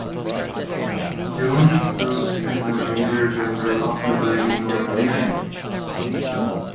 Jones served as a major general of the Virginia militia.